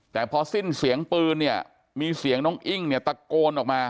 แต่พอสิ้นเสียงปืนเนี่ยมีเสียงน้องอิ้งเนี่ยตะโกนออกมา